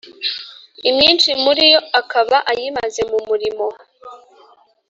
imyinshi muri yo akaba ayimaze mu murimo